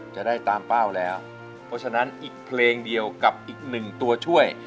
จะได้ตามเป้าแล้วเพราะฉะนั้นอีกเพลงเดียวกับอีกหนึ่งตัวช่วย